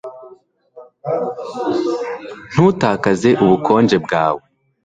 ntutakaze ubukonje bwawe